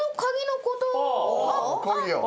鍵や。